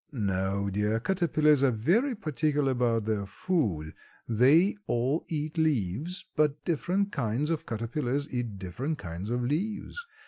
"No, dear, caterpillars are very particular about their food; they all eat leaves, but different kinds of caterpillars eat different kinds of leaves.